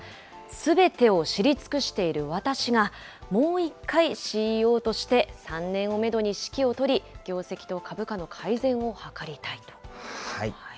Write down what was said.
すべてを知り尽くしている私が、もう一回、ＣＥＯとして３年をメドに指揮を執り、業績と株価の改善を図りたいと。